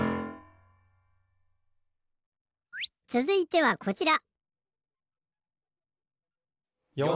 つづいてはこちら。